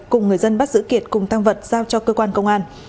cùng người dân bắt giữ kiệt cùng tăng vật giao cho cơ quan công an